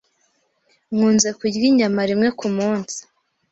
Nkunze kurya inyama rimwe kumunsi.